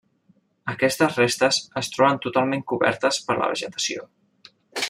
Aquestes restes es troben totalment cobertes per la vegetació.